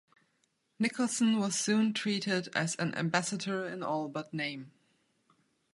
Nicholson was soon treated as an ambassador in all but name.